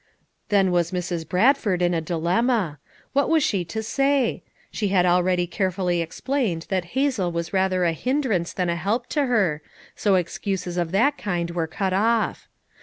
Then was Mrs. Bradford in a dilemma. What was she to say? She had already care fully explained that Hazel was rather a hind rance than a help to her, so excuses of that kind were cut off.